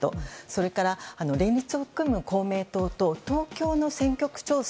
それから、連立を組む公明党と東京の選挙区調整